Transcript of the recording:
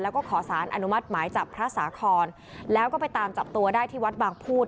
แล้วก็ขอสารอนุมัติหมายจับพระสาคอนแล้วก็ไปตามจับตัวได้ที่วัดบางพูด